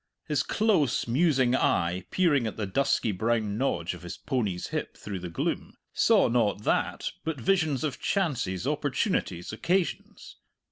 His close, musing eye, peering at the dusky brown nodge of his pony's hip through the gloom, saw not that, but visions of chances, opportunities, occasions.